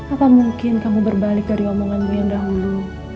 apa mungkin kamu berbalik dari omonganmu yang dahulu